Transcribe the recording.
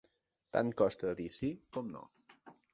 Tant costa dir sí com no.